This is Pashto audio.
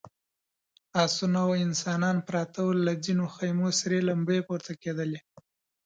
آسونه او انسانان پراته ول، له ځينو خيمو سرې لمبې پورته کېدلې….